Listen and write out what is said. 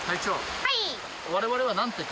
はい。